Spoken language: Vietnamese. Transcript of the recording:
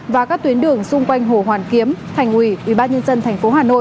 và các tuyến đường xung quanh hồ hoàn kiếm thành ủy ubnd tp hà nội